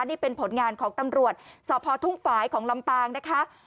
นี่เป็นผลงานของตำรวจสพทุ่งฝ่ายของลำปางนะคะ